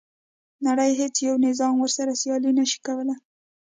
نړۍ هیڅ یو نظام ورسره سیالي نه شوه کولای.